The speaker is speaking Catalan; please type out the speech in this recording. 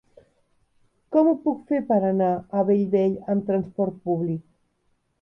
Com ho puc fer per anar a Bellvei amb trasport públic?